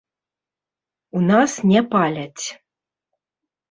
У нас не паляць.